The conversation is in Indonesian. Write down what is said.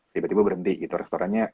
tiba tiba berhenti gitu restorannya